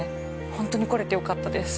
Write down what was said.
本当に来れてよかったです。